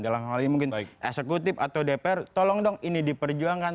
dalam hal ini mungkin eksekutif atau dpr tolong dong ini diperjuangkan